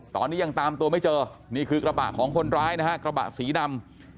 ตอนนี้ยังตามตัวไม่เจอนี่คือกระบะของคนร้ายนะฮะกระบะสีดำ